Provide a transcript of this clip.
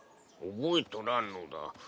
覚えとらんのだ。